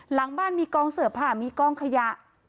หลังบ้านมีกองเสือผ่ามีกองขยะ